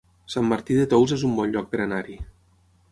Sant Martí de Tous es un bon lloc per anar-hi